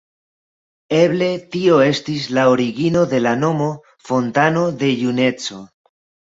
Eble tio estis la origino de la nomo ""fontano de juneco"".